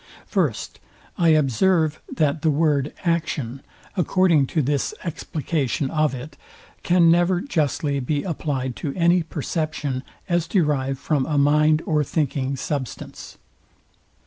First, I observe, that the word, action, according to this explication of it, can never justly be applied to any perception, as derived from a mind or thinking substance.